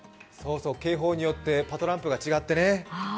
警報によってパトランプが違ってね。